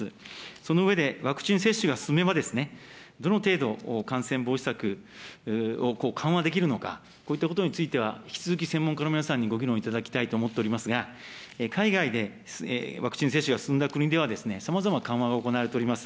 その上でワクチン接種が進めば、どの程度、感染防止策を緩和できるのか、こういったことについては、引き続き専門家の皆さんにご議論いただきたいと思っておりますが、海外でワクチン接種が進んだ国では、さまざまな緩和が行われております。